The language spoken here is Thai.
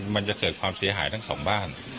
มันจะเกิดความเสียหายทั้งสองบ้าน